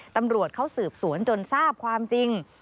ตำรวจเขาสืบสวนจนทราบความจริง